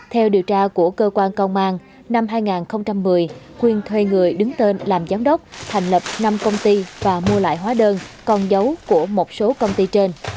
theo điều tra của cơ quan công an năm hai nghìn một mươi khuyên thuê người đứng tên làm giám đốc thành lập năm công ty và mua lại hóa đơn con dấu của một số công ty trên